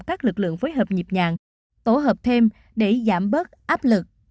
các lực lượng phối hợp nhịp nhàng tổ hợp thêm để giảm bớt áp lực